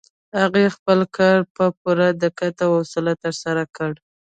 هغې خپل کار په پوره دقت او حوصله ترسره کړ.